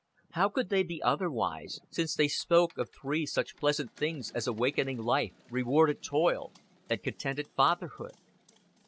How could they be otherwise; since they spoke of three such pleasant things as awakening life, rewarded toil, and contented fatherhood?